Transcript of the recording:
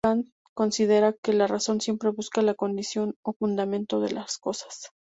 Kant considera que la razón siempre busca la condición o fundamento de las cosas.